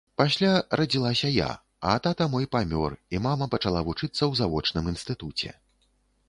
Пасля радзілася я, а тата мой памёр, і мама пачала вучыцца ў завочным інстытуце.